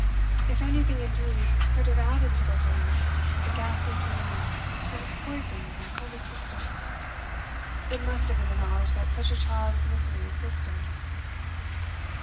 If anything, indeed, could have added to the horror of the ghastly dream that has poisoned my whole existence, it must have been the knowledge that such a child of misery existed."